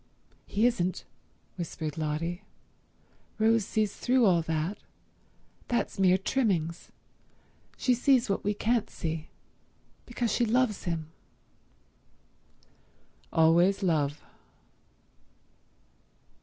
"He isn't," whispered Lotty. "Rose sees through all that. That's mere trimmings. She sees what we can't see, because she loves him." Always love.